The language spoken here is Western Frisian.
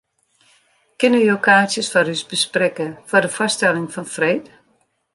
Kinne jo kaartsjes foar ús besprekke foar de foarstelling fan freed?